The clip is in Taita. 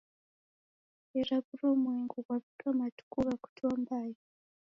Ngera w'urumwengu ghwavika matuku gha kutua mbai